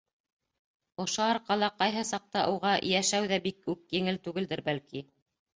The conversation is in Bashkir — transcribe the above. Ошо арҡала ҡайһы саҡта уға йәшәү ҙә бик үк еңел түгелдер, бәлки.